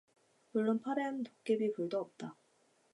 물론 파란 도깨비불도 없다.